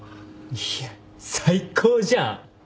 いや最高じゃん。